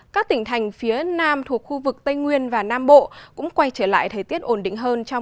các tỉnh thành phía nam thuộc khu vực tây nguyên và nam bộ cũng quay trở lại thời tiết ổn định hơn